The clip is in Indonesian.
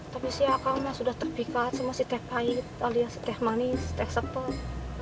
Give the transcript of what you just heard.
tapi si akamnya sudah terpikat semua si teh pahit alias teh manis teh sepet pahit